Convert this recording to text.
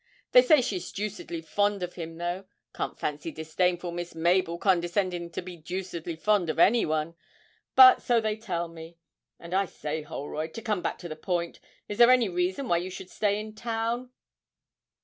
They say she's deucedly fond of him, though. Can't fancy disdainful Miss Mabel condescending to be deucedly fond of any one but so they tell me. And I say, Holroyd, to come back to the point, is there any reason why you should stay in town?'